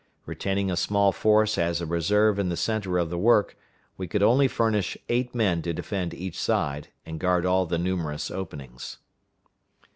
Retaining a small force as a reserve in the centre of the work, we could only furnish eight men to defend each side and guard all the numerous openings.